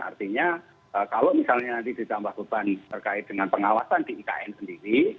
artinya kalau misalnya nanti ditambah beban terkait dengan pengawasan di ikn sendiri